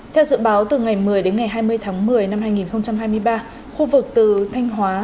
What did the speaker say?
theo dự báo từ ngày một mươi đến ngày hai mươi tháng một mươi năm hai nghìn hai mươi ba khu vực từ thanh hóa